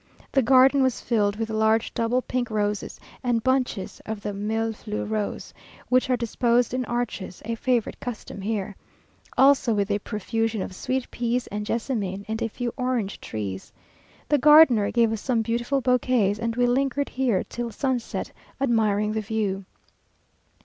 The garden was filled with large double pink roses, and bunches of the mille fleur rose, which are disposed in arches, a favourite custom here, also with a profusion of sweet peas and jessamine, and a few orange trees. The gardener gave us some beautiful bouquets, and we lingered here till sunset, admiring the view.